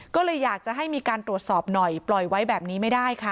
ก็เลยอยากจะให้มีการตรวจสอบหน่อยปล่อยไว้แบบนี้ไม่ได้ค่ะ